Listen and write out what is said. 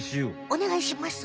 おねがいします。